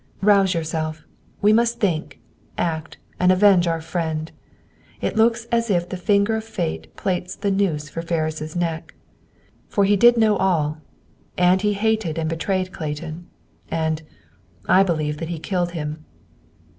"Rouse yourself! We must think, act, and avenge our friend! It looks as if the finger of fate plaits the noose for Ferris' neck. For he did know all; he hated and betrayed Clayton, and, I believe that he killed him."